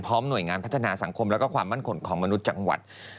หน่วยงานพัฒนาสังคมและความมั่นขนของมนุษย์จังหวัด